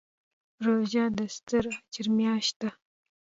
روژه د ستر اجر میاشت ده.